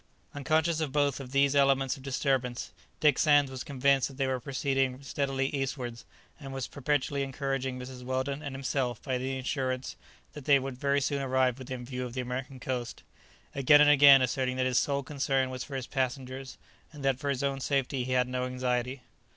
Unconscious of both these elements of disturbance, Dick Sands was convinced that they were proceeding steadily eastwards, and was perpetually encouraging Mrs. Weldon and himself by the assurance that they must very soon arrive within view of the American coast; again and again asserting that his sole concern was for his passengers, and that for his own safety he had no anxiety.